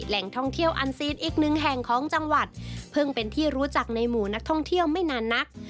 แหล่งท่องเที่ยวอันซีนอีกหนึ่งแห่งของจังหวัดเพิ่งเป็นที่รู้จักในหมู่นักท่องเที่ยวไม่นานนัก